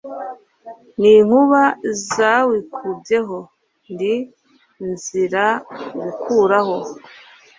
N' inkuba zawikubyeho. Ndi Nziragukuraho